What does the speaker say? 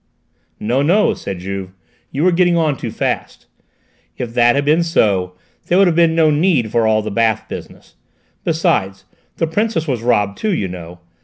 "No, no!" said Juve, "you are getting on too fast. If that had been so, there would have been no need for all the bath business; besides, the Princess was robbed, too, you know.